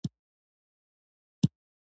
حیوانات ځینې وختونه د اوبو سره لوبې کوي.